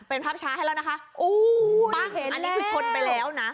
เป็นภาพช้าให้แล้วนะคะโอ้ปั้งอันนี้คือชนไปแล้วนะ